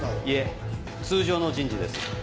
いえ通常の人事です。